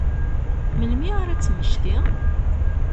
Melmi ara ad temmekti?